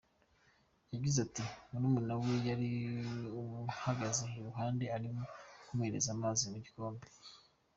Yagize ati “ Murumuna we yari amuhagaze iruhande arimo kumuhereza amazi mu gikombe.